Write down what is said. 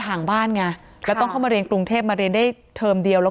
ห่างบ้านไงแล้วต้องเข้ามาเรียนกรุงเทพมาเรียนได้เทอมเดียวแล้ว